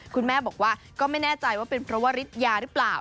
คุณแม่บอกว่าก็ไม่แน่ใจว่าเป็นเพราะว่าฤทธิยาหรือเปล่า